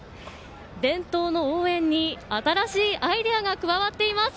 伝統の応援に新しいアイデアが加わっています。